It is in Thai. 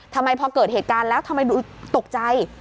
ทำไมพอเกิดเหตุการณ์แล้วทำไมดูตกใจ